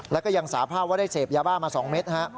แล้วก็ยังสาภาพว่าได้เสพยาบ้ามา๒เม็ด